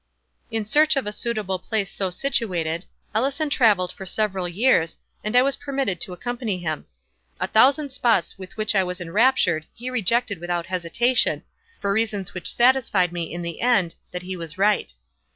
In search of a suitable place so situated, Ellison travelled for several years, and I was permitted to accompany him. A thousand spots with which I was enraptured he rejected without hesitation, for reasons which satisfied me, in the end, that he was right.